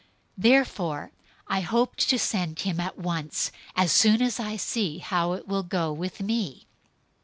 002:023 Therefore I hope to send him at once, as soon as I see how it will go with me.